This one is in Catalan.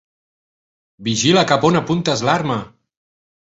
Vigila cap a on apuntes l'arma!